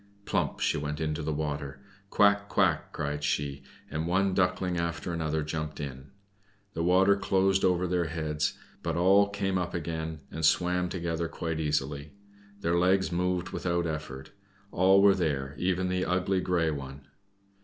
Plump she went into the water. "Quack! quack!" cried she, and one duckling after another jumped in. The water closed over their heads, but all came up again, and swam together quite easily. Their legs moved without effort. All were there, even the ugly grey one.